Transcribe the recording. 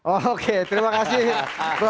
oke terima kasih